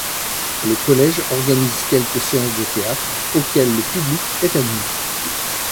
Le collège organise quelque séances de théâtre, auxquelles le public est admis.